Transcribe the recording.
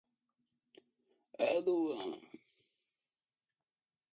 Seu trabalho de conclusão carece de referências bibliográficas consolidadas